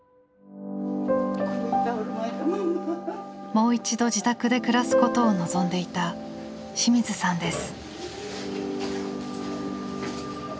もう一度自宅で暮らすことを望んでいた清水さんです。